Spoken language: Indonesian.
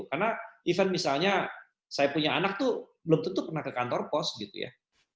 karena event misalnya saya punya anak tuh belum tentu pernah ke kantor pos gitu ya